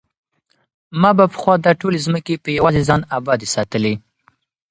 ما به پخوا دا ټولې ځمکې په یوازې ځان ابادې ساتلې.